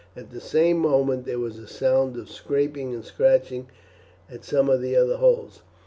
At the same moment there was a sound of scraping and scratching at some of the other holes.